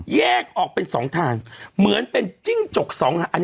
แยกออกเป็นสองทางเหมือนเป็นจิ้งจกสองอัน